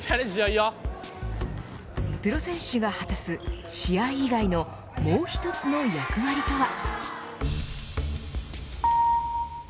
プロ選手が果たす試合以外のもう一つの役割とは。